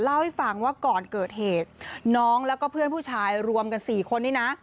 เล่าให้ฟังว่าก่อนเกิดเหตุน้องแล้วก็เพื่อนผู้ชายรวมกัน๔คนนี้นะ